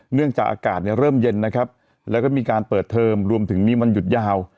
เนื่องจากอากาศเริ่มเย็นนะครับแล้วก็มีการเปิดเทอมรวมถึงมีวันหยุดยาว